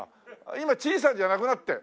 今地井さんじゃなくなって。